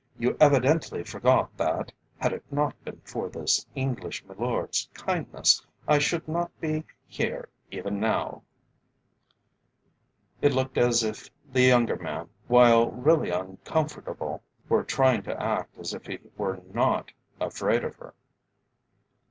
"You evidently forget that, had it not been for this English milord's kindness, I should not be here even now." It looked as if the younger man, while really uncomfortable, were trying to act as if he were not afraid of her.